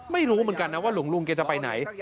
ไม่รู้เหมือนกันนะว่าลุงเขาจะไปไหน